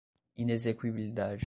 inexequibilidade